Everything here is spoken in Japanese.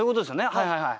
はいはいはい。